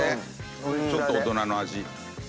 ちょっと大人の味。